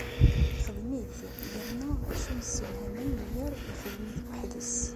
Ixdem-it, yerna acu yessewhamen ugar, ixdem-it weḥd-s.